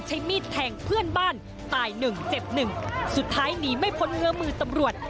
ใช้มีดแทงเพื่อนบ้านตายหนึ่งเจ็บหนึ่งสุดท้ายหนีไม่พ้นเงื้อมือตำรวจ